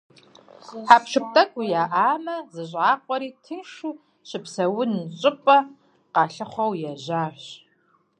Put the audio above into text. Хьэпшып тӀэкӀу яӀэӀамэ, зэщӀакъуэри, тыншу щыпсэун щӀыпӀэ къалъыхъуэу ежьащ.